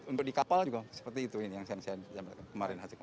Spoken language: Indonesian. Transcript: untuk di kapal juga seperti itu yang saya jelaskan kemarin